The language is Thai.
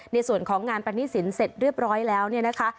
ในส่วนของงานปรณิศิลป์เสร็จเรียบร้อยแล้วนะคะ